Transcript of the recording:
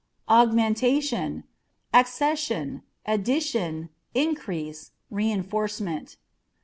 Augmentation â€" accession, addition, increase, re inforcement.